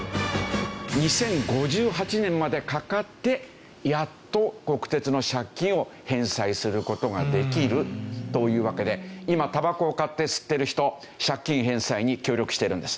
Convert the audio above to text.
２０５８年までかかってやっと国鉄の借金を返済する事ができるというわけで今タバコを買って吸ってる人借金返済に協力してるんです。